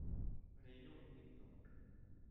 Regno Unito